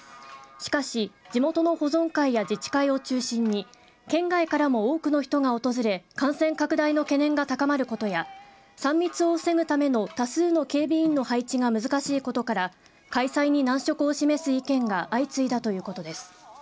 しかし、地元の保存会や自治会を中心に県外からも多くの人が訪れ感染拡大の懸念が高まることや３密を防ぐための多数の警備員の配置が難しいことから開催に難色を示す意見が相次いだということです。